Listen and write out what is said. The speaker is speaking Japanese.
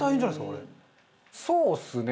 そうですね。